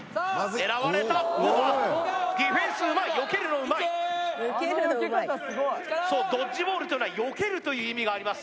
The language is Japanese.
狙われたディフェンスうまいそうドッジボールというのはよけるという意味があります